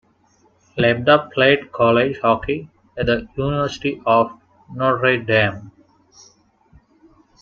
Lebda played college hockey at the University of Notre Dame.